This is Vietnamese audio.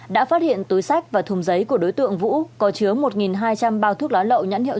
đã phát hiện túi sách và thùng giấy của đối tượng vũ có chứa một hai trăm linh bao thuốc lá lậu nhãn hiệu